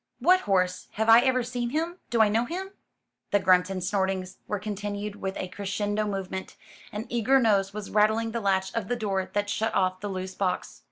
"What horse? Have I ever seen him? Do I know him?" The grunts and snortings were continued with a crescendo movement; an eager nose was rattling the latch of the door that shut off the loose box.